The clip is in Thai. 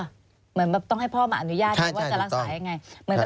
เหมือนแบบต้องให้พ่อมาอนุญาตว่าจะรักษายังไง